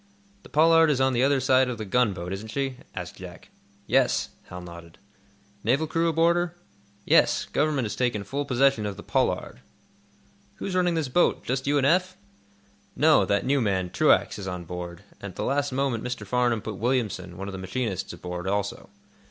"The 'Pollard' is on the other side of the gunboat, isn't she?" asked Jack. "Yes," Hal nodded. "Naval crew aboard her?" "Yes; Government has taken full possession of the 'Pollard.'" "Who's running this boat? Just you and Eph?" "No; that new man, Truax, is on board, and at the last moment Mr. Farnum put Williamson, one of the machinists, aboard, also.